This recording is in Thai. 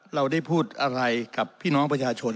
เราได้พูดอะไรกับพี่น้องประชาชน